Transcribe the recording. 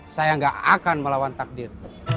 saya gak akan melawan takdir